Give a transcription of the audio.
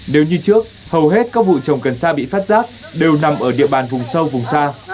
nếu như trước hầu hết các vụ trồng cần sa bị phát giác đều nằm ở địa bàn vùng sâu vùng xa